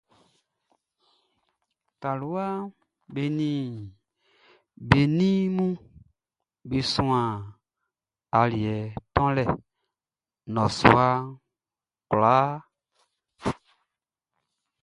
Taluaʼm be nin be ninʼm be suan aliɛ tonlɛ nnɔsua kwlaa.